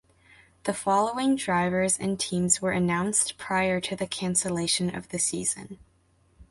The following drivers and teams were announced prior to the cancellation of the season.